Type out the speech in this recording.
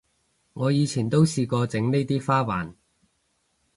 我以前都試過整呢啲花環